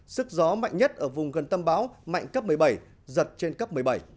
sức gió mạnh nhất ở vùng gần tâm bão mạnh cấp một mươi bảy giật trên cấp một mươi bảy